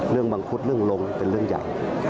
เรื่องมังคุฑเรื่องลงเป็นเรื่องใหญ่